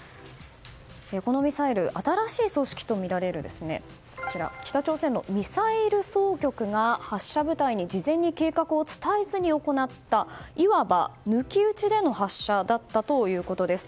このミサイルは新しい組織とみられる北朝鮮のミサイル総局が発射部隊に事前に計画を伝えずに行ったいわば、抜き打ちでの発射だったということです。